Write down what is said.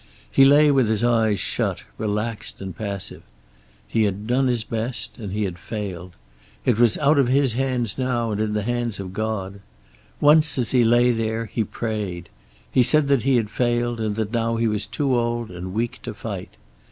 He lay with his eyes shut, relaxed and passive. He had done his best, and he had failed. It was out of his hands now, and in the hands of God. Once, as he lay there, he prayed. He said that he had failed, and that now he was too old and weak to fight.